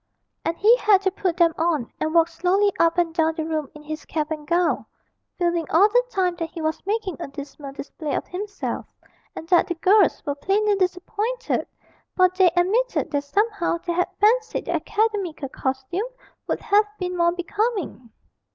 And he had to put them on and walk slowly up and down the room in his cap and gown, feeling all the time that he was making a dismal display of himself, and that the girls were plainly disappointed, for they admitted that somehow they had fancied the academical costume would have been more becoming.